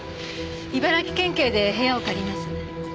茨城県警で部屋を借ります。